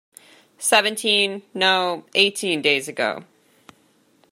Seventeen, no, eighteen days ago.